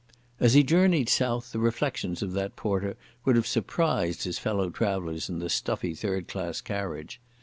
As he journeyed south the reflections of that porter would have surprised his fellow travellers in the stuffy third class carriage.